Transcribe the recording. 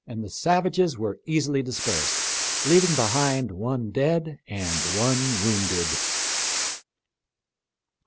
the savages were easily dispersed, leaving behind one dead and one wounded.